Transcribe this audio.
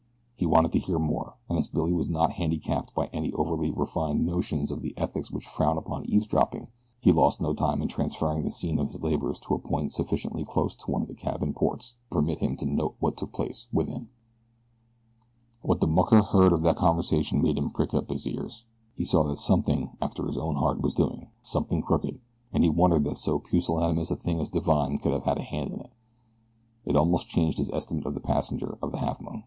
He wanted to hear more, and as Billy was not handicapped by any overly refined notions of the ethics which frown upon eavesdropping he lost no time in transferring the scene of his labors to a point sufficiently close to one of the cabin ports to permit him to note what took place within. What the mucker beard of that conversation made him prick up his ears. He saw that something after his own heart was doing something crooked, and he wondered that so pusillanimous a thing as Divine could have a hand in it. It almost changed his estimate of the passenger of the Halfmoon.